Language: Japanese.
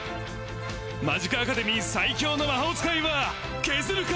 マジカアカデミー最強の魔法使いはケズルか